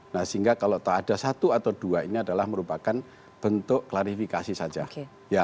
nah sehingga kalau ada satu atau dua ini adalah merupakan bentuk klarifikasi saja